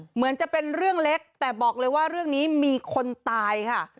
เหมือนจะเป็นเรื่องเล็กแต่บอกเลยว่าเรื่องนี้มีคนตายค่ะ